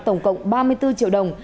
tổng cộng ba mươi bốn triệu đồng